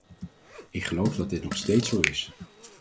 Ik geloof dat dit nog steeds zo is.